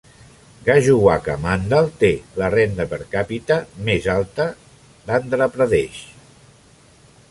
Gajuwaka Mandal té la renda per càpita més alta d'Andhra Pradesh.